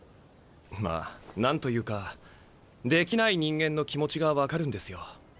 まあ何と言うかできない人間の気持ちが分かるんですよ。